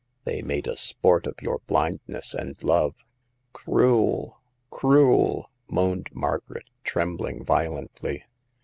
They made a sport of your blindness and love." " Cruel ! cruel I " moaned Margaret, trembling violently.